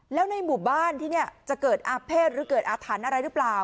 แล้วในบุบันที่นี่จะเกิดอาเพศอาถัณฑ์อะไรหรือเปล่า